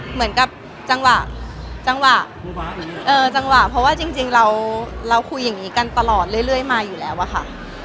เหมือนกับจังหวะจังหวะเพราะว่าจริงเราคุยอย่างนี้กันตลอดเรื่อยมาอยู่แล้วอะค่ะ